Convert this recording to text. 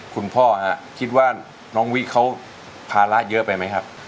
คุณพ่อคิดว่าน้องวิเขาภาระเยอะไปไหมครับ